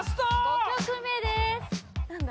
５曲目です・何だ？